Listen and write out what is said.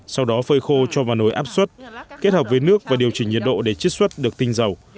sau đó phơi khô cho vào nồi áp suất kết hợp với nước và điều chỉnh nhiệt độ để chích suất được tinh dầu